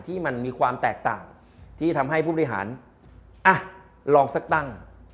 ที่มันมีความแตกต่างที่ทำให้ผู้บริหารอ่ะลองสักตั้ง